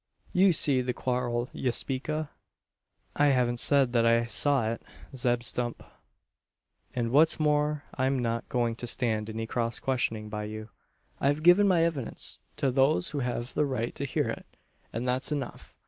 You seed the quarrel ye speak o'?" "I haven't said that I saw it, Zeb Stump. And what's more I'm not going to stand any cross questioning by you. I have given my evidence, to those who have the right to hear it; and that's enough.